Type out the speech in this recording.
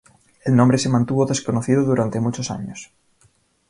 El nombre se mantuvo desconocido durante muchos años.